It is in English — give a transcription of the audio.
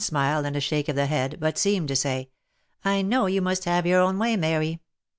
91 smile and a shake of the head, that seemed to say, " I know you must have your own way, Mary."